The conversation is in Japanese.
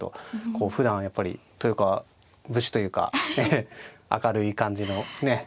こうふだんやっぱり豊川節というか明るい感じのねえ